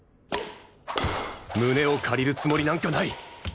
胸を借りるつもりなんかない